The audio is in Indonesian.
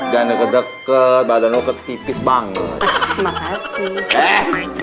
yang lain pada kemarin burung burung burung ada badan tipis banget